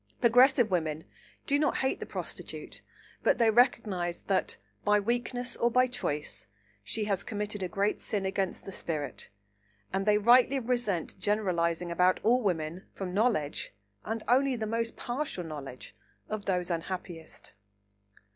Progressive women do not hate the prostitute, but they recognise that, by weakness or by choice, she has committed a great sin against the spirit, and they rightly resent generalising about all women from knowledge (and only the most partial knowledge) of these unhappiest.